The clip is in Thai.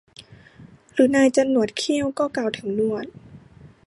หรือนายจันหนวดเขี้ยว ก็กล่าวถึงหนวด